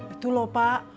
itu lho pak